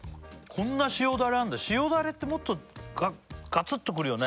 こんな塩ダレあんだ塩ダレってもっとガツッとくるよね